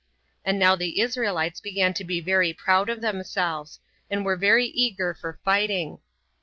And now the Israelites began to be very proud of themselves, and were very eager for fighting.